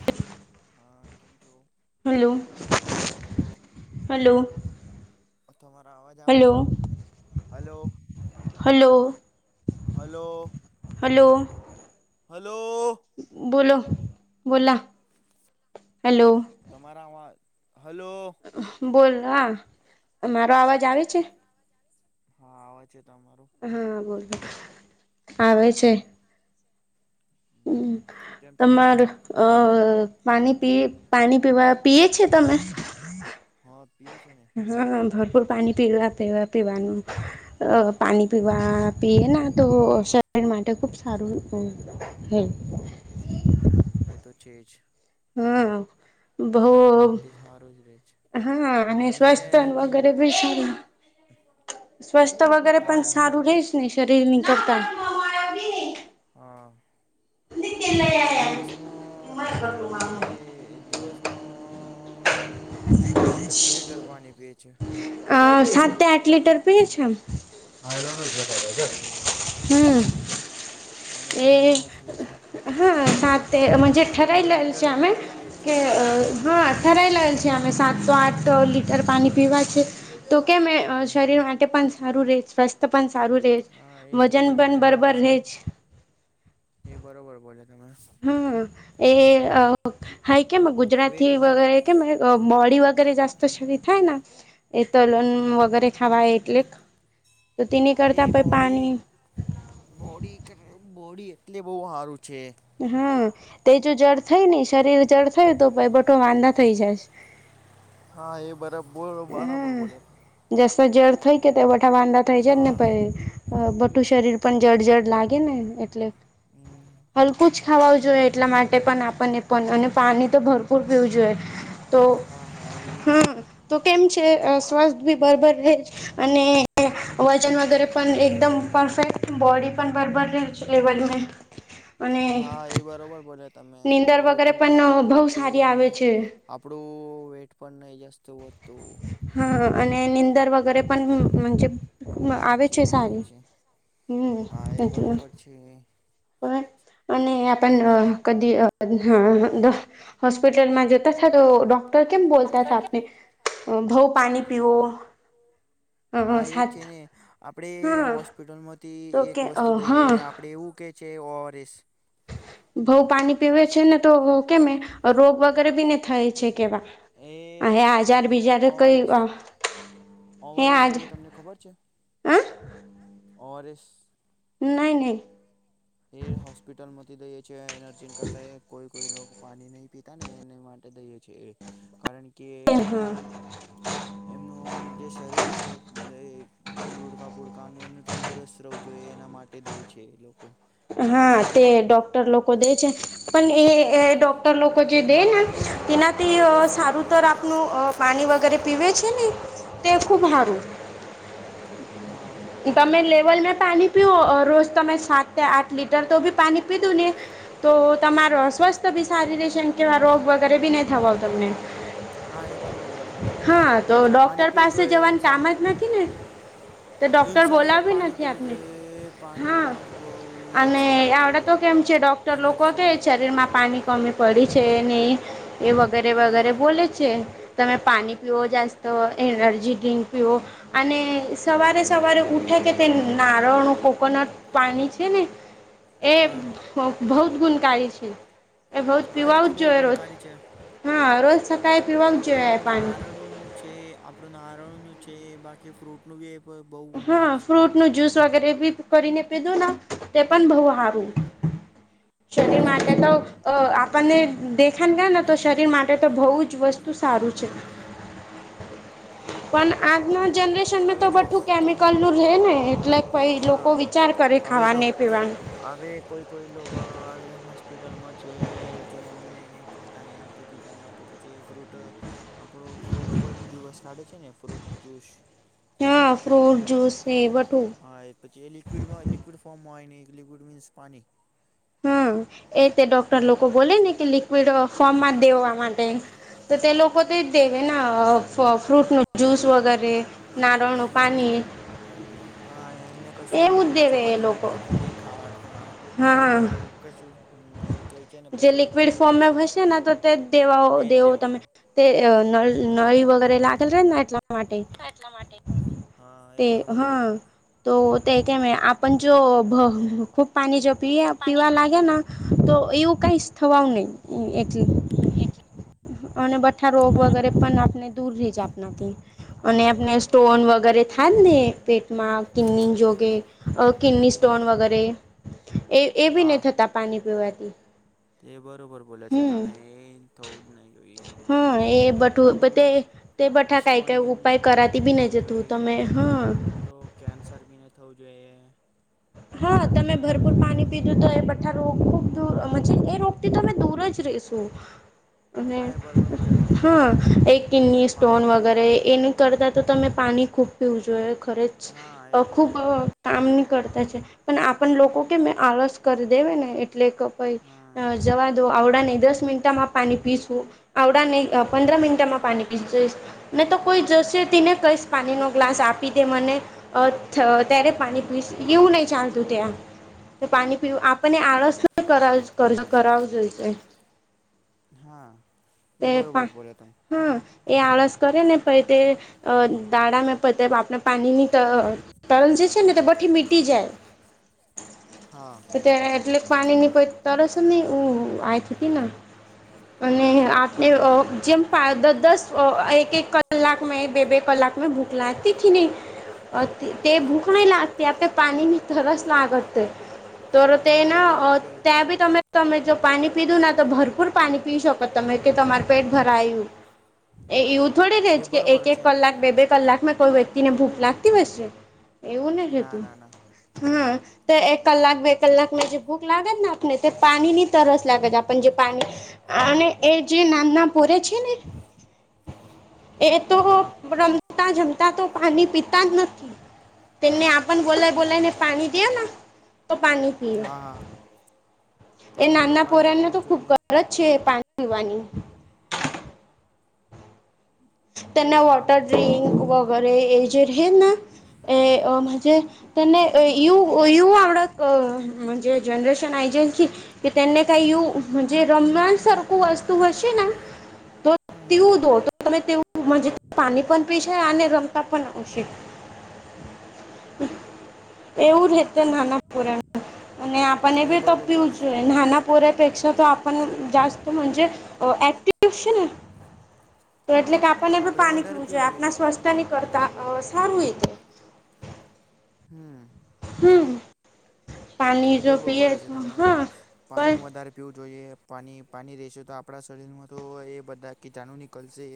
Hello હા કેમ છો? Hello [unintelligible] hello. તમારા અવાજ આવે છે? Hello hello. [unintelligible] Hello, hello hello. Hello બોલો બોલા હેલો. તમારામાં બોલ હા મારો અવાજ આવે છે હા આવે છે તમારું હા બોલ આવે છે હમ કેમ છો તમારૂ અ પાણી પીએ પાણી પીવા પીયે છે તમે હા પીએ છે ને હા હા ભરપૂર પાણી પીવા પીવા પીવાનું અ પાણી એવું પીવા પી લેવાનું તો શરીર માટે ખુબ સારું હ હોય એ તો છે જ હમ બહુ શરીર માટે સારું જ રહે છે હા અને તમે સ્વસ્થ વગેરે બી છીએ સ્વસ્થ વગેરે તમે પણ સારું રહેશ ને શરીર ની કરતા હા તમે દિવસમાં દે દિવસમો કેટલું લીટર પાણી પીયે છે હ સાત આઠ લીટર પિયે છે એમ એવું હમ. અમે એ બી આટલા જ પીએ છીએ. હા સાથે અમે જ ઠરાલ લીટર છે હમે વધારે પીએ છીએ કે એટલું જ છે હા ઠરાલ છે. સાતસો આઠ લીટર પાણી પીવા છે, તો કે હમ શરીર માટે સારું ર સ્વસ્થ પણ સારું ર, હા એ વજન બોલે પણ હે સારું બરોબર છે રહેજ. એ બરોબર બોલે તમે. હા, એ કે વેટ ગુજરાતી ઉટાર વગેરે કે મોડી વગેરે જાસ્ત શરી થાય. એ તલોન વગેરે ખાવા એટલે. તો તેની એ કરતા પ બોડી પાણી બોડી બોડી એટલે બહ સારું છે. હા, તે જો જળ થય ને શરીર જળ થયું તો ભ બઠો વાંધા થઈ જશે. હા એ બરાબ બોલો બરાબર બોલે. સજડ થઈ કેવઠા વાંધા થઇ જ ને હા પછી. અ બટું શરીર પણ જળ જળ લાગે ને એટલે. હમ હલકું જ ખાવા જોઈએ એટલા માટે પણ આપણને પણ અને પાણી તો ભરપૂર પીવું જોઈએ. તો હા હા એવી છે. હમ કેમ છે સ્વાથ બી બરાબર રહે છે, અને ન વગેરે પણ એકદમ પરફેક્ટ બોડી પણ બબર રહે છે લેવલમે. હા એ બરોબર બોલ્યા. તમે નીંદર બોડી વગેરે પણ પરફેક્ટ રહે બહુ છે સારી અને, આવે છે. આપણું વેટ પણ જ હા અને નિંદર વગેરે પણ જ આવે છે હાજી થાય સારી, છે હમ એટલે. પણ હ [unintelligible] અને આપ કદી હોસ્પિટલમાં જોતા થ તો ડો કેમ બોલતા થ આપને, ભઉ પાણી પીઓ. હમ [unintelligible] હા એજ છે ને, આપડે હા હોસ્પિટલ માંથી તો એક કે વસ્તુ દઈએ આપડે એવું કે છે ઓસ બઉ પાણી પીવે છે ને તો કેમે રોગ વ રબીને થાય છે એ કેવા હજાર બીજાર કઈ હે ઓવરસ આજ જઈએ તમને ખબર છે હ ઓવરસ નહી નહી એ હોસ્પિટલમાંથી દઈે છે એર્જન કરતા કોઈ કોઈ પાણી નહી પિતા ને એને માટે દઈએ છે કારણ કે એમનો હા એમનું જે શરીર છે, લુડકાપુડકાનું એમનું તંદુરસ્ત રહેવું જોઈએ. એના માટે દે છે લોકો. હા તે ડોક્ટર લોકો દે છે, પણ એ ડોક લોકો હવે જે કોઈ દે ને, બહારનું તેનાથી હવે કોઈ સારું બહારનું તર આવે. આપનું પાણી વગેરે પીવે જ [unintelligible] હા હા બ તમે ચવલં પણી પીઓ રોસ્તા મેં સાત આઠ લીટર તો બી પાણી પીધું ને, તો તમાર સ્વસ્થ બી સારી રહેશે કેવા રોગ વગેરે બી થવા તમને. હા એ બરોબર બોલે તમે એમ હા તો પાણી ડોક્ટર પીવું પાસે જવાનું કામ જ નાખી ને. તો એ ડૉક્ટર ઇન્સાને બોલાવી પાણી નથી પીવું આપને જોઈએ હા પાણીમાંજ બહ અને આવડે તો કેમ છે ડોક્ટર લોકો કે એનર્જી શરીર માં પાણી કમી પડી છે ને, એ વગેરે હા વગેરે બોલે છે. તમે પાણી પીઓ જાસ્ટ એનર્જી ડ્રિંક પીઓ, અને સવારે સવારે ઉઠે કે તે નારળણું કોકોનટ પાણી છે. છેને, એ હા બહુત ગુણકારી છે. એ બઉ જ હા એ પીવા તો જ બહુ જોઈએ રોજ ગુણકારી છે હા રોજ સકાળે પીવાવું જ જોઈએ આપણું પાણી નારળ નું છે આપડું નારળનું છે બાકી ફ્રૂટનું બી બહુ હા ગુણકારી છે એ ફ્રૂટ બ નું જ્યુસ વગેરે કરીને પીધું તે પણ બહ હારું એ તો શરી છે માટે જ તો આપ આપણને દેખા ગયો ને તો શરીર માટે તો બહુ જ વસ્તુ સારું છે [inaudible] પણ ફ્રૂટનું આજના હવે જનરેશનમાં હવે તો જો બું કોનું કેમિકલ નું રે ને એટલે પ હા લોકો વિચાર તૈાર કરી હવે જો ખાવાને પીવાનું હવે કોઈ કોઈ લોકો હ હોસ્પિટલમાં છે જેમ ખાતા નહી આવતું પીતા ન આવતું પછી ફ્રૂટ આપણું ફ્રૂટ પર દિવસ સાડે છે ને ફ્રૂટ જ્યુસ હા ફ્રૂટ જૂસ એ બધું હા એ પછી એ લિકડમાં લિક્વિડ ફોર્મમાં હોય ને લિકવિડ મીન્સ પાની હમ એ તે ડોક્ટર લોકો પાણી બોલે છે ને કે લિક્વિડ ફોર્મ માં જ દેવા માટે તો તે હા લોકો તે જ દેવે ના ફ્રૂટ ન જ્યુસ વગેરે નારણ ફ્રૂટ પાણી હા એમને કશું એવું જ દેવે એ ચપાટી લોકો બપાતી નહી ખાવાડતા હા હા એવું કશું હમ એ કહે છે ને જે પછી લિક્વિડ એનું ફોર્મમાં હશે ને તો તે દેવાઓ એજ દેવો તમે દેવાનું તે નળ નળ વગેરે લાગેલ ર નાટ માટે એટલા માટે હા એ તે બરોબર હા બોલે તમે તો તે કે મે આપ જો ભ ખૂબ પાણી જો પી ખૂબ પીવા લાગે તો એવું કઈ જ થવાઉ નહીએટલે [inaudible] અને બઠા રોગ હા વગેરે પણ આપણે દૂર રહી જ આપણાથી અને હા એ આપણે બરોબર સ્ટોન છે વગેરે થાય મને પેટમાં કિડની જોગે કિડની સ્ટોન હા વગેરે એ એવી બી ની હા થતા પાણી પીવાથી તે બરોબર બોલે છે હમ તમે એ થવું જ નહી જોઈએ હા એ બઠું તે તે બઠા કઈ સ્ટોન કઈ બી ઉપાય કરાતી બી નહી જતું તમે હા આપડો કેન્સર ભીને થવું જોઈએ. હા તમે એ ભરપૂર બી પાણી છે પીધું તો એ બથા રોગ ખૂબ દૂર એ રોગથી તમે દૂર જ રહીશો. અને હા એ બરોબર બોલ્યા તમે હા એ કિન્ની સ્ટોન પાણી જ પીવું વગેરે જોઈએ એ ન મને કરતા તો તમે પાણી ખૂબ પીવજું એ ખરેચ હા એ ખૂબ બરોબર કામ ન કરતા. પણ આપ લોકો કે આળસ કરી દેવા ને એટલે હા જવા દોડ આવડા નહી દસ મિનટામાં પાણી પીશું આવડા નહી હા પંદર મિનટામાં પાણી પીસું ને તો આવડે કોઈ નહી જશે પંદર તેને મિનિટ કઈ પાણી ન ગ્લાસ આપી તે મને ત્યારે પાણી પીશ એવું નહી ચાલતું ત્યાં તો પાણી પીવું આપણને આળસ ન કરાવ જોઈશે હા એ તે પા બરોબર બોલ્યા તમે હા એ આળસ કરે ને પી તે દાડામાં પ આપણે પાણી ની તરલ જ છેને તો બ્ મિટી જાય બ જ તો ત્યા એટલે પાણી ની કોઈ તરસ નહી આતી હતી અને જેમ દસ એક એક કલાક મે બે બે કલાક મે ભૂખલા હૈ તે ભૂખ નહી લાગતી આપે પાણીની તરસ લગે ત તોર તે હા એ બરોબર ના બોલે છે. ત્યાં બી તમે તમે જો પાણી પીધું ના તો ભરપૂર પાણી પી શકો તમે કે તમાર પેટ ભરાયું એ એવું થોડી રેજ એ કે બરોબર એક એક છે ને કલાક બે બે કલાક મેં કોઈ વાર તેને ભૂખ લાગતી હસશે એવું નથી ના થતું ના ના હા. તો એક કલાક બે કલાકમાં જે ભૂખ લાગે ને આપને તે પાણી ની તરસ લાગેતે આપ જે પાણી અને એ જે નામ ના પૂરે છે ને એ તો હા રમ જમતા જમતા તો પાણી પીતા જ નથી. તેમને આપણ બોલાય બોલાયને પાણી દવ ના. તો પાણી પી હા હા એ તેમને બી નાના પાણી પોરને પીવું તો જ ખુબ જોઈએ ગરજ છે. પાણી પીવાની. એ તને નાનો વોટર છોકરો ડ્રિંક આવ્યો વગેરે એ જે રહે ના. એ હજ તને યુ યુ આવડજ જનરેશન આ છે કે કે તેને કઈ યુ જે રમન સારખું વસ્તુ હશે ના. તો હમ તેવું દો તો તમે તેવું મજ પાણી પણ પીશે અને રમતા પણ આવશે. એવું રહે. નાના પોરા અને આપણને હા એ બી તો બરોબર બોલે પીવું છે. જોઈએ નાના પોરા પેક્ષા તો. [unintelligible] અને પણ પાણી પીવું જોઈએ આપણા સ્વાસ્થ્ય ન કરતા સારું એ તો. [inaudible] પાણી એ જો બરોબર પીએ બોલે છે તો તમે હા પર પાણી વધારે પીવું. જોઈએ પાણી પાણી રહેશે તો આપણા શરીરમાં તો એ બધા કીટાણુ નીકળશે.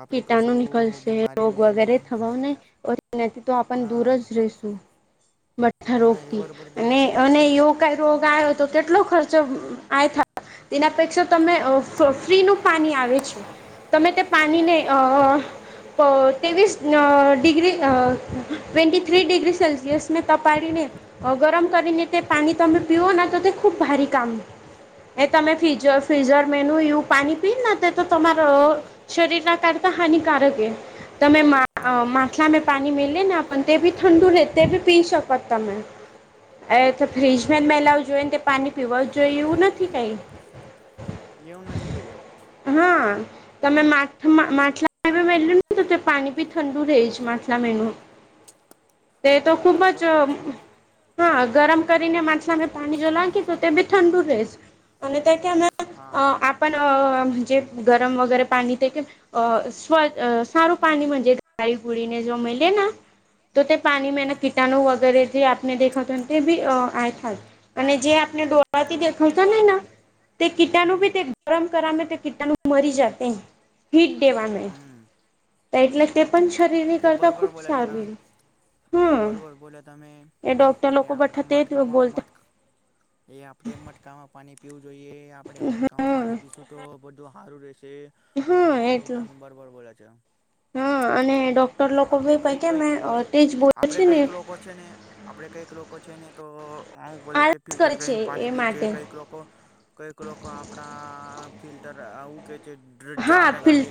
આપણે કીટાણુ કશું નિકલશે બીમારીનું રોગ એ વગેરે નહીં થવાને. થી તો આપણ દૂર હા જ રે. ભઠ્ઠા હા એ રોગથી બરોબર બોલે અને છે ને અને એયો કઈ રોગ આવ્યો તો કેટલો ખર્ચ. [unintelligible] તેના પેક્ષા તમે ફ્રીનું પાણી આવે છે તમે તે પાણીને હા. ત્રેવીસ degree twenty three degree Celsius તપાડીને. ગરમ કરીને તે પાણી તમે પીઓ તો તે ખુબ ભારે કામ. એ તમે ફ ફિઝર મેનું એવું પાણી પીને તે તો તમારા શરીર ના કારણે હાનિકારક હૈ તમે હા માથલામાં પણી મે લને આપ અને તે બી ઠંડુ રહેતે બી પી શક તમેં મ અ તો ફ્રીજમાં જ મેિલાવ જોઈ ને તે પાણી પીવા જ જોઈએ એવું નથી કઈ એવું નથી જોઈએ. તમે માથા માં લું તો પાણી ભી ઠંડુ રહે છે માથલા મેન. તે તો હા ખૂબ એ જ બરોબર છે હા ગરમ કરીને માછલામે પાણી જો લખી તો તે બી ઠંડુ રહેશ અને તે કે હા આમે જ ગરમ વગેરે પાણી કે અ સ્વ સારું પાણીજ [unintelligible] ના. તો તે પાણી મે હમ ના કીટાણું વગેરે જે આપને દેખાતું તે બી આ ખાસ. અને જે આપણે ડોળવાથી હા દેખાવતા ને તે કીટાનું હમ ભી તે ગરમ કરમે કીટનું મરી તે હીટ દેવાનું હમ એટલે તે પણ શરીની એ કરતા બરોબર ખૂબ બોલે છે તમે સારું એ હમ્મ. બરોબર બોલે તમે એ આપણા મટકામાં બોલતા મટ એ આપડે મટકામાં પાણી. પીવું જોઈએ આપડે મટકામાં હમ પાણી પીશું તો બધું હારું રહે હા અને એ એટલું તમે બરોબર બોલા છે. હા અને ડોક્ટર લોકો આપડે બી પ કઈ કે કઈક મેં તે જ બોલે આપડે છે ને કઈક લોકો છે ને આપડે કઈક લોકો છે ને તો હું બોલે છે આળસ ફિલ્ટર કરે છે કરીને એ પાણી પી છે માટે કંઈક લોકો કંઈક લોકો આપણા ફિલ્ટર આવું ક હા ફિલ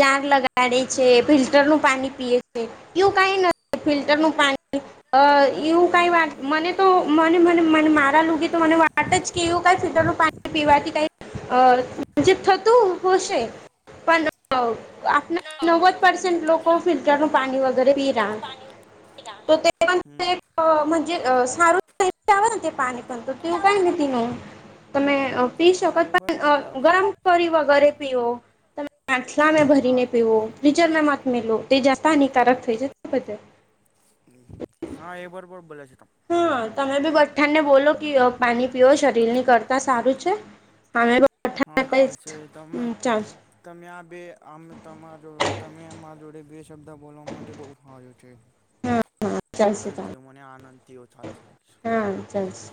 જાર લગાડે છે ફિલ્ટરનુંું પાણી પ છે ું કઈ ન ફિલ્ટર નું પાણી એવું કઈ વાત મને તો મને મને મ મારા લગ તો મ વાત જ કે એવું ક ફિટર નું પાણી પીવાથી કઈ થતું ખુશે પ આપ નવવદ પસેન્ટ લોકો ફિલ્ટર નું પાણી વગેરે પીરા તો હમ સારું વા પાણી પણ તો તેવું કઈ નથી ત ન તમે પી હા શકો એ પણ બરોબર બોલે ગરમ છે કરી વગરે પી તમેલા હા ભરીને પીવોિચરમાં મત મે લો તે જા હાનિકારક થઈ છે તે બદલ હા એ બરોબર બોલે છે ત ઠા ને બોલો કે પાણી પીઓ શરીર ની કરતા સારું છે હા બઠ્ઠાને ચાલશે કહીશ તમે હમ ચાલશે તમે બે આ તમા તમે અમા જોડે બે શબ્દ બોલવા માટે બહ સાર્યો છે હા હા ચાલશે સારું થવ ચાલશે મને આનંદ યોો ચાલશે ચાલશે હા ચાલશે